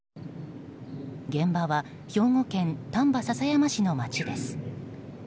現場は兵庫県丹波篠山市の街です。